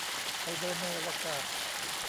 ไปเดินในอวกาศ